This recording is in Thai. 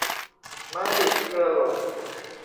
ม้าดีดกระโหลก